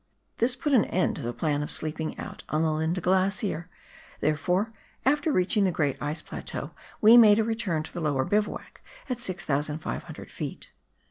This put an end to the plan of sleeping out on the Linda Glacier ; therefore, after reaching the great Ice Plateau we made a return to the lower bivouac at 6,500 ft.